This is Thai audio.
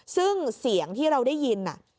ซึ่งเสียงที่เราได้ยิน